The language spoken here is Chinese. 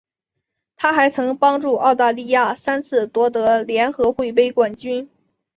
她还曾帮助澳大利亚三次夺得联合会杯冠军。